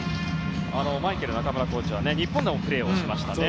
マイケル中村コーチは日本でもプレーをしましたね。